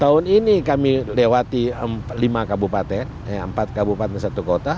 tahun ini kami lewati lima kabupaten empat kabupaten satu kota